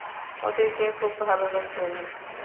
ওদেরকে খুব ভালোবাসি আমি।